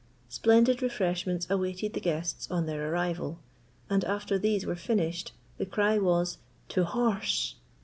Splendid refreshments awaited the guests on their arrival, and after these were finished, the cry was "To horse."